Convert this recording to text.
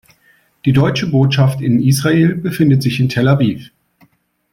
Die Deutsche Botschaft in Israel befindet sich in Tel Aviv.